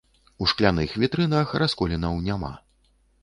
У шкляных вітрынах расколінаў няма.